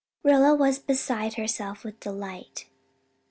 Rilla was beside herself with delight.